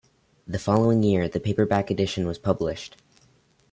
The following year, the paperback edition was published.